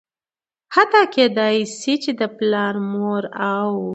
حتا کيدى شي چې د پلار ،مور او